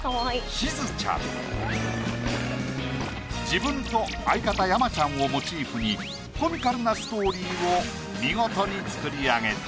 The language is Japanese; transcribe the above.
自分と相方山ちゃんをモチーフにコミカルなストーリーを見事に作り上げた。